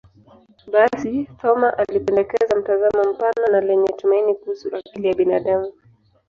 Basi, Thoma alipendekeza mtazamo mpana na lenye tumaini kuhusu akili ya binadamu.